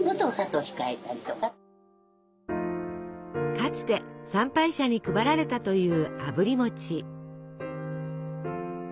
かつて参拝者に配られたというあぶり餅。